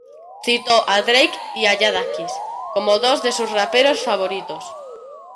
Citó a Drake y Jadakiss, como dos de sus raperos favoritos.